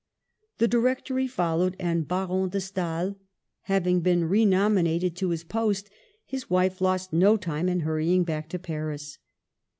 The Directory followed, and Baron de Stael hav ing been re nominated to his post, his wife lost no time in hurrying back to Paris.